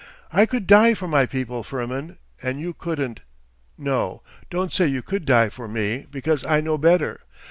I could die for my people, Firmin, and you couldn't. No, don't say you could die for me, because I know better.